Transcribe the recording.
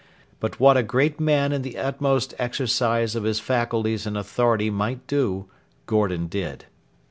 But what a great man in the utmost exercise of his faculties and authority might do, Gordon did.